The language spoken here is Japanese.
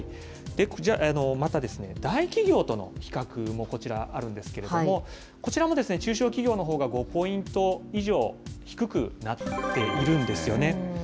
また、大企業との比較もこちらあるんですけれども、こちらも中小企業のほうが５ポイント以上低くなっているんですよね。